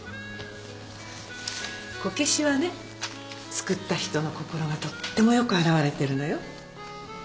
こけしはね作った人の心がとってもよく現れてるのよ。